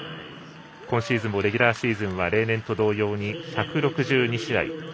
今シーズンもレギュラーシーズンは例年と同様に１６２試合。